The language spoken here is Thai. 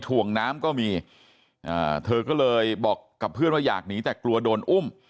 ถ่วงน้ำก็มีเธอก็เลยบอกกับเพื่อนว่าอยากหนีแต่กลัวโดนอุ้ม